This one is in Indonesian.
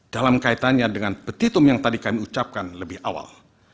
dalam kaitannya dengan petitum yang tadi kami ucapkan lebih awal